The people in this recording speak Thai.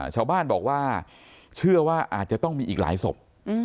ชาวบ้านบอกว่าเชื่อว่าอาจจะต้องมีอีกหลายศพ